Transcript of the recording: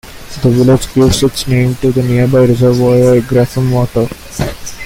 The village gives its name to the nearby reservoir, Grafham Water.